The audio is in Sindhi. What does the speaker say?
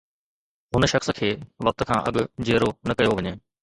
هن شخص کي وقت کان اڳ جيئرو نه ڪيو وڃي